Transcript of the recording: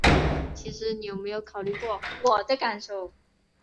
其实你有没有考虑过我的感受？